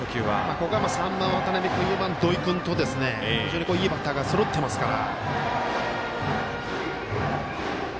ここは３番、渡邊君４番、土井君と非常にいいバッターがそろっていますから。